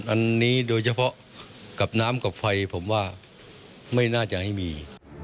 อันนี้โดยเฉพาะกับน้ำกับไฟผมว่าไม่น่าจะให้มี